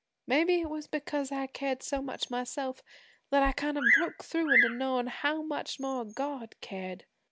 Maybe it was because I cared so much myself that I kind of broke through into knowin' how much more God cared.